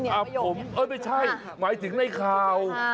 ผมเอ้ยไม่ใช่หมายถึงในข่าว